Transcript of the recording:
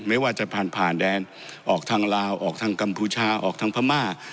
ไม่ว่าจะผ่านผ่านแดนออกทางลาวออกทางกัมพูชาออกทางพม่า